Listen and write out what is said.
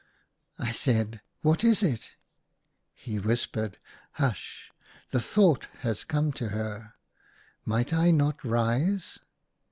I said, " What is it ?" He whispered " Hush ! the thought has come to her, ' Might I not rise